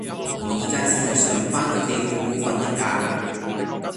我依家只係想返屋企好好訓一覺